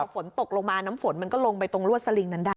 ฝนตกลงมาน้ำฝนมันก็ลงไปตรงลวดสลิงนั้นได้